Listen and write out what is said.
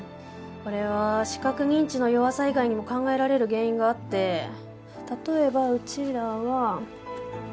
これは視覚認知の弱さ以外にも考えられる原因があって例えばうちらは。